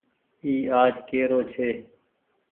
اي آج ڪي رو ڇي۔